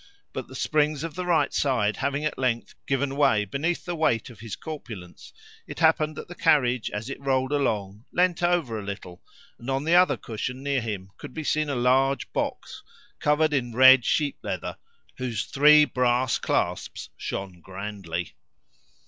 But the springs of the right side having at length given way beneath the weight of his corpulence, it happened that the carriage as it rolled along leaned over a little, and on the other cushion near him could be seen a large box covered in red sheep leather, whose three brass clasps shone grandly.